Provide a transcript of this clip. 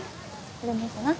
これもいいかな。